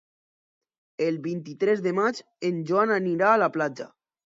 El vint-i-tres de maig en Joan anirà a la platja.